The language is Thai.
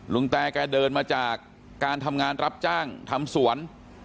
แตแกเดินมาจากการทำงานรับจ้างทำสวน